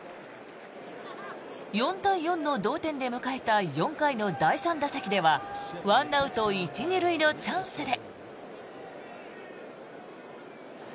４対４の同点で迎えた４回の第３打席では１アウト１・２塁のチャンスで。